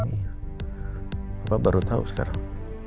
bapak baru tahu sekarang